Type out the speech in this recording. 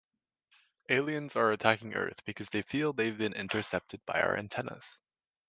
Aliens are attacking Earth because they feel they've been intercepted by our antennas.